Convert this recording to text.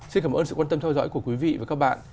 xin cảm ơn sự quan tâm theo dõi của quý vị và các bạn